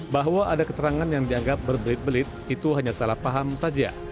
bahwa ada keterangan yang dianggap berbelit belit itu hanya salah paham saja